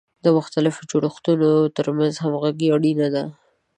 د مختلفو جوړښتونو ترمنځ همغږي اړینه ده.